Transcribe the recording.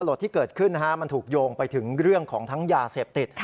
ที่เกิดขึ้นนะฮะมันถูกโยงไปถึงเรื่องของทั้งยาเสพติด